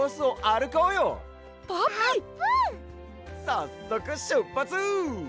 さっそくしゅっぱつ！